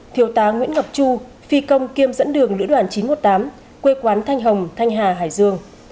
thiếu tá nguyễn ngọc chu phi công kiêm dẫn đường lữ đoàn chín trăm một mươi tám quê quán thanh hồng thanh hà hải dương